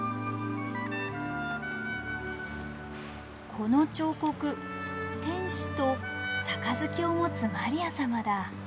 この彫刻天使と杯を持つマリア様だ。